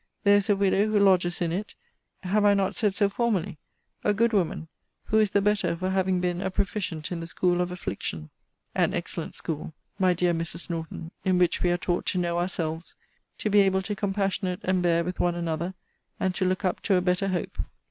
There is a widow who lodges in it [have I not said so formerly?] a good woman; who is the better for having been a proficient in the school of affliction. An excellent school! my dear Mrs. Norton, in which we are taught to know ourselves, to be able to compassionate and bear with one another, and to look up to a better hope.